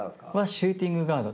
シューティングガード？